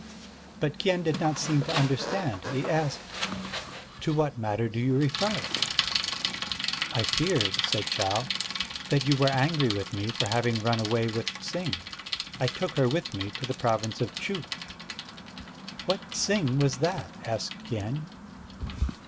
But Kien did not seem to understand. He asked: "To what matter do you refer?" "I feared," said Chau, "that you were angry with me for having run away with Ts'ing. I took her with me to the province of Chuh." "What Ts'ing was that?" asked Kien.